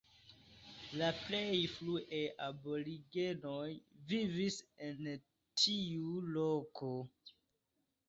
La plej frue aborigenoj vivis en tiu loko.